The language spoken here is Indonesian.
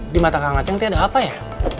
di mata kang aceng itu ada apa ya